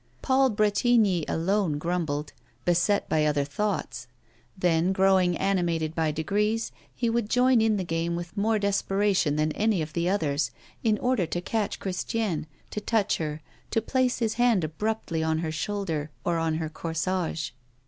Paul Bretigny alone grumbled, beset by other thoughts; then, growing animated by degrees he would join in the game with more desperation than any of the others, in order to catch Christiane, to touch her, to place his hand abruptly on her shoulder or on her corsage.